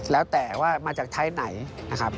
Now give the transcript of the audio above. แล้วแต่ว่ามาจากไทยไหนนะครับ